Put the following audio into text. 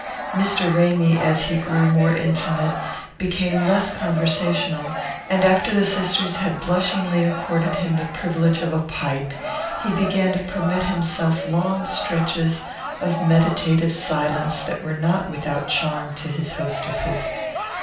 Mr. Ramy, as he grew more intimate, became less conversational, and after the sisters had blushingly accorded him the privilege of a pipe he began to permit himself long stretches of meditative silence that were not without charm to his hostesses.